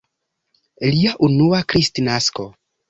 Lia unua Kristnasko!